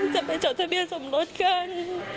จะไปจดทะเบียนสมรสกัน